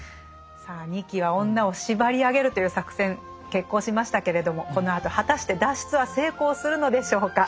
さあ仁木は女を縛り上げるという作戦決行しましたけれどもこのあと果たして脱出は成功するのでしょうか。